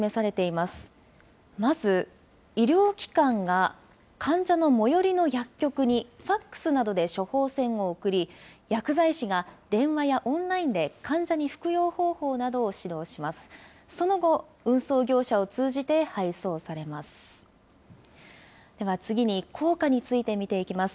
まず、医療機関が患者の最寄りの薬局にファックスなどで処方箋を送り、薬剤師が電話やオンラインで患者に服用方法などを指導します。